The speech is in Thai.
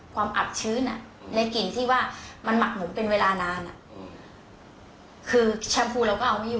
อับชื้นในกลิ่นที่ว่ามันหมักหมุนเป็นเวลานานคือแชมพูเราก็เอาไม่อยู่